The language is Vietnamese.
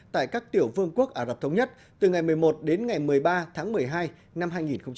tại các tiểu vương quốc ả rập thống nhất từ ngày một mươi một đến ngày một mươi ba tháng một mươi hai năm hai nghìn hai mươi